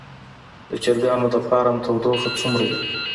د چرګانو د فارم تودوخه څومره وي؟